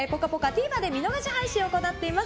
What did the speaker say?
ＴＶｅｒで見逃し配信を行ってます。